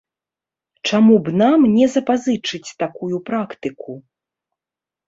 Чаму б нам не запазычыць такую практыку?